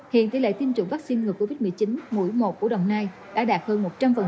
hiện tỷ lệ tiêm chủng vaccine ngừa covid một mươi chín mũi một của đồng nai đã đạt hơn một trăm linh